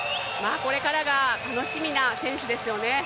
これからが楽しみな選手ですよね。